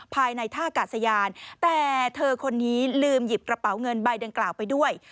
ภายในท่ากาศยานแต่เธอคนนี้ลืมหยิบกระเป๋าเงินใบดังกล่าวไปด้วย